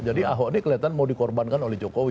jadi ahok ini kelihatan mau dikorbankan oleh jokowi